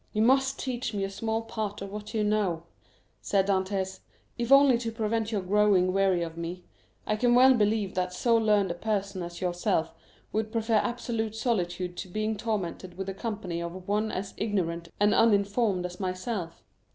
"You must teach me a small part of what you know," said Dantès, "if only to prevent your growing weary of me. I can well believe that so learned a person as yourself would prefer absolute solitude to being tormented with the company of one as ignorant and uninformed as myself.